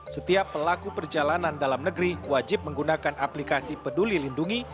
setiap pelaku perjalanan dalam negeri wajib menggunakan aplikasi peduli lindungi